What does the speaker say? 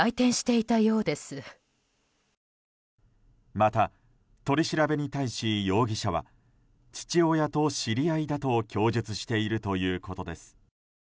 また取り調べに対し容疑者は父親と知り合いだと供述しているということです。